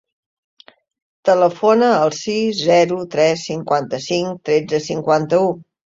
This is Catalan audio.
Telefona al sis, zero, tres, cinquanta-cinc, tretze, cinquanta-u.